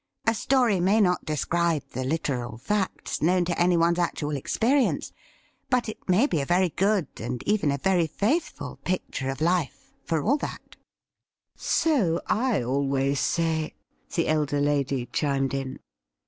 A story may not describe the literal facts known to anyone's actual experience, but it may be a very good, and even a very faithful, picture of life, for all that.' JIM'S NEW ACQUAINTANCES 23 ' So I always say,' the elder lady chimed in.